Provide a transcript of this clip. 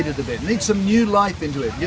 kita butuh kehidupan baru